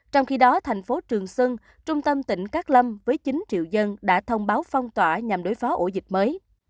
trong khi đó thành phố trường sơn trung tâm tỉnh cát lâm với chín triệu dân đã thông báo phong tỏa nhằm đối phó ổ dịch mới